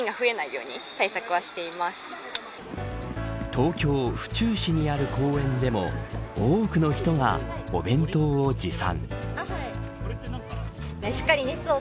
東京、府中市にある公園でも多くの人がお弁当を持参。